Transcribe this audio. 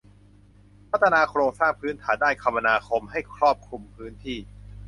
พัฒนาโครงสร้างพื้นฐานด้านคมนาคมให้ครอบคลุมพื้นที่